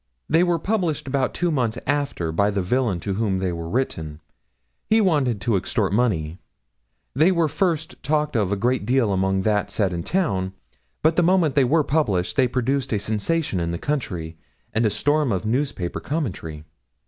They were published about two months after, by the villain to whom they were written; he wanted to extort money. They were first talked of a great deal among that set in town; but the moment they were published they produced a sensation in the country, and a storm of newspaper commentary.